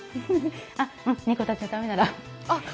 猫たちのためなら。